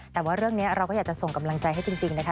แต่ว่าเรื่องนี้เราก็อยากจะส่งกำลังใจให้จริงนะคะ